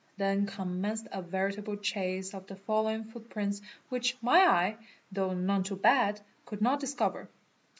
Then commenced a veritable chase of. the following footprints which my eye, though none too bad, could _ not discover.